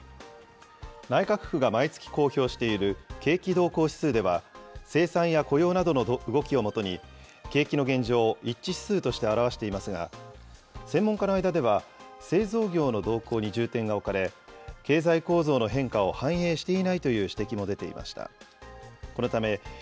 内閣府が毎月公表している景気動向指数では、生産や雇用などの動きを基に、景気の現状を一致指数として表していますが、専門家の間では製造業の動向に重点が置かれ、経済構造の変化を反映していないという指摘も出ていました。